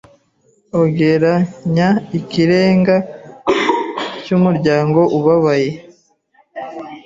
Ogeranya ikirenge cyumuryango ubabaye